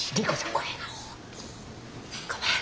ごめん。